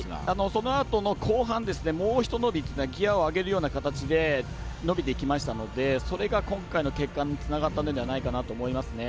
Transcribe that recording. そのあとの後半もうひと伸びギアを上げるような形で伸びていきましたのでそれが今回の結果につながったのではないかなと思いますね。